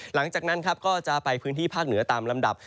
หลังจากนั้นครับก็จะไปพื้นที่ภาคเหนือตามลำดับ